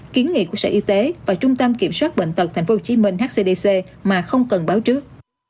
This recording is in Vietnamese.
kiến nghị của sở y tế và trung tâm kiểm soát bệnh tật tp hcm hcdc mà không cần báo trước